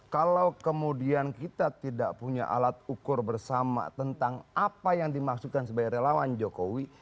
kalau kemudian kita tidak punya alat ukur bersama tentang apa yang dimaksudkan sebagai relawan jokowi